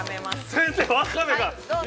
◆先生、ワカメが、今。